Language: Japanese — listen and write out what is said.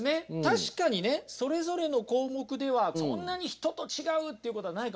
確かにねそれぞれの項目ではそんなに人と違うっていうことはないかもしれません。